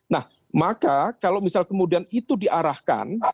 nah maka kalau misal kemudian itu diarahkan